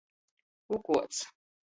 Ukuots.